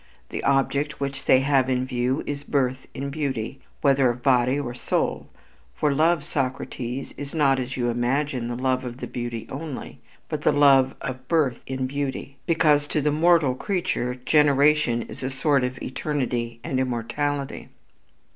The object which they have in view is birth in beauty, whether of body or soul.... For love, Socrates, is not as you imagine the love of the beautiful only ... but the love of birth in beauty, because to the mortal creature generation is a sort of eternity and immortality."